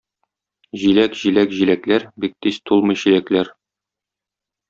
Җиләк, җиләк, җиләкләр, бик тиз тулмый чиләкләр.